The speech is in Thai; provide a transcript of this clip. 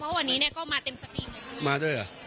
เพราะวันนี้ก็มาเต็มสตรีม